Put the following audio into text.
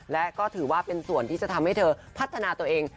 และก็ถือว่าเป็นส่วนที่จะทำให้เธอพัฒนาตัวเอง